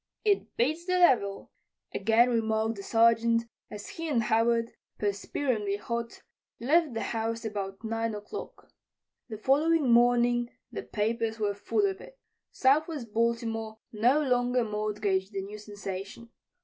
"It beats the devil," again remarked the Sergeant as he and Howard, perspiringly hot, left the house about 9 o'clock. The following morning the papers were full of it. Southwest Baltimore no longer mortgaged the new sensation.